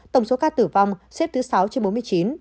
tổng số ca tử vong xếp thứ sáu trên bốn mươi chín